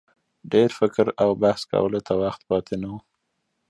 ډېر فکر او بحث کولو ته وخت پاته نه وو.